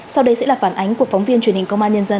sau đây sẽ là phản ánh của phóng viên truyền hình công an nhân dân